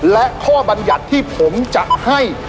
และข้อบรรยัติที่ผมจะให้